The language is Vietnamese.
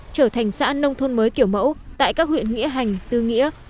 trở thành xã nông thôn mới kiểu mẫu tại các huyện nghĩa hành tư nghĩa